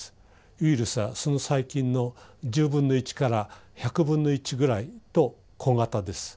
ウイルスはその細菌の１０分の１から１００分の１ぐらいと小型です。